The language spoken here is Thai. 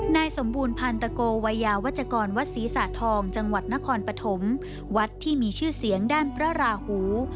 นายสมบูรณพันธโกวัยยาวัชกรวัดศรีสะทองจังหวัดนครปฐมวัดที่มีชื่อเสียงด้านพระราหู